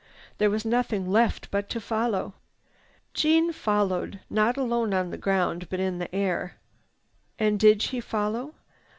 There was nothing left but to follow. Jeanne followed, not alone on the ground, but in the air. And did she follow?